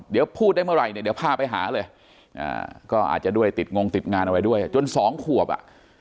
เดี๋ยวพูดได้เมื่อไหร่เนี่ยเดี๋ยวพาไปหาเลยก็อาจจะด้วยติดงงติดงานอะไรด้วยจนสองขวบอ่ะ